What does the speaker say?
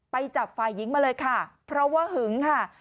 ไปจับฝ่ายหญิงมาเลยค่ะเพราะว่าหึงค่ะ